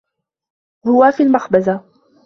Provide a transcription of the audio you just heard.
هو في المخبزة.